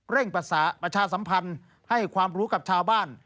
ประชาสัมพันธ์ให้ความรู้กับชาวบ้าน